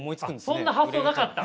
あっそんな発想なかった？